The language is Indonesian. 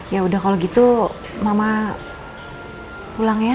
ya udah kalau gitu mama pulang ya